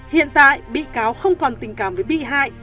hiện tại bị cáo không còn tình cảm với bị hại